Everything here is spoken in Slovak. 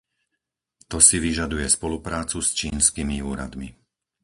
To si vyžaduje spoluprácu s čínskymi úradmi.